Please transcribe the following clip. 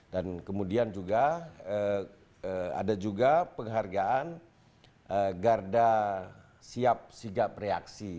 dan kemudian juga ada juga penghargaan garda siap sigap reaksi